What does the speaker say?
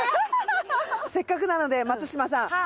せっかくなので松嶋さん。